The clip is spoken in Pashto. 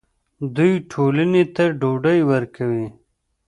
دوی ټولنې ته ډوډۍ ورکوي.